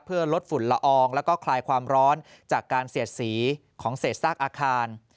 เพื่อลดฝุ่นละอองแล้วก็คลายความร้อนจากการเสียดสีของเศษซากอาคาร